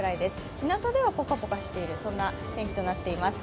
ひなたではポカポカしている、そんな天気となっています。